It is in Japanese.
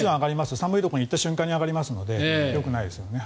寒いところに行った瞬間に上がりますのでよくないですよね。